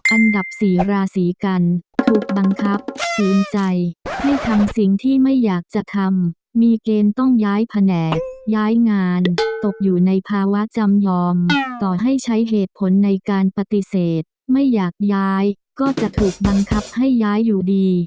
อันดับสี่ราศีกันถูกบังคับฝืนใจให้ทำสิ่งที่ไม่อยากจะทำมีเกณฑ์ต้องย้ายแผนกย้ายงานตกอยู่ในภาวะจำยอมต่อให้ใช้เหตุผลในการปฏิเสธไม่อยากย้ายก็จะถูกบังคับให้ย้ายอยู่ดี